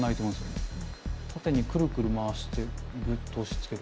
縦にクルクル回してグッと押しつける。